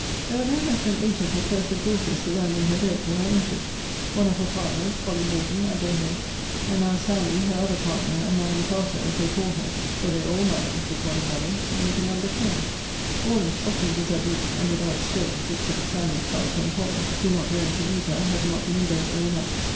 There were no less than eight of her cursed daughters surrounding her bed when I entered; one of her partners, Polly Horton, at their head; and now Sally, her other partner, and Madam Carter, as they called her, (for they are all Madams with one another,) made the number ten; all in shocking dishabille, and without stays, except Sally, Carter, and Polly; who, not daring to leave her, had not been in bed all night.